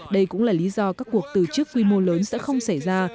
đây cũng là lý do các cuộc từ chức quy mô lớn sẽ không xảy ra